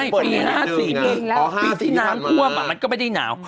ปีที่น้ำควบมันก็ไม่ได้หนาว